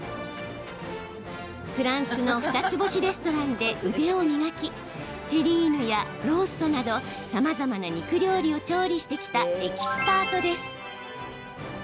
フランスの二つ星レストランで腕を磨きテリーヌやローストなどさまざまな肉料理を調理してきたエキスパートです。